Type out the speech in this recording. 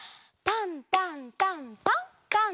タンタンタンパン。